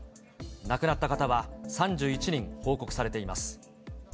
亡くなった方は３１人報告されています。